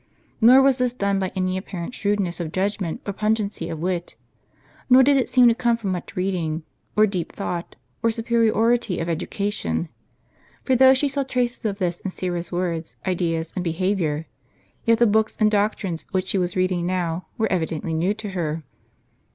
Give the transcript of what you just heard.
Nor was this done by any apparent shrewdness of judgment or pungency of wit; nor did it seem to come from much reading, or deep thought, or superiority of education. For though she saw traces of this in Syra's words, ideas, and behavior, yet the books and doctrines which she was reading now, were evidently new to her.